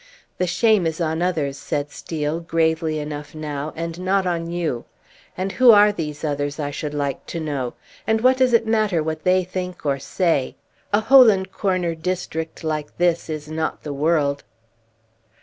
"The shame is on others," said Steel, gravely enough now, "and not on you. And who are those others, I should like to know? And what does it matter what they think or say? A hole and corner district like this is not the world!"